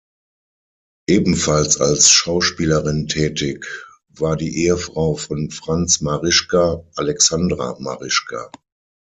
Ebenfalls als Schauspielerin tätig war die Ehefrau von Franz Marischka, Alexandra Marischka.